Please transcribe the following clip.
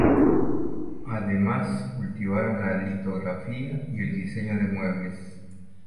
Además, cultivaron la litografía y el diseño de muebles.